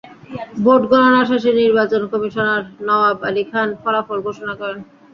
Vote গণনা শেষে নির্বাচন কমিশনার নওয়াব আলী খান ফলাফল ঘোষণা করেন।